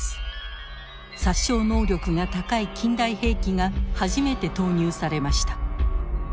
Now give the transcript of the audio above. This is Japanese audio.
殺傷能力が高い近代兵器が初めて投入されました。